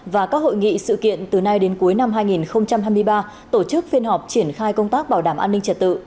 và các hội nghị sự kiện từ nay đến cuối năm hai nghìn hai mươi ba tổ chức phiên họp triển khai công tác bảo đảm an ninh trật tự